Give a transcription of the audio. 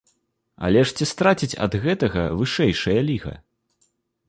Але ж ці страціць ад гэтага вышэйшая ліга?